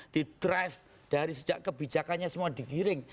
didrive dari sejak kebijakannya semua digiring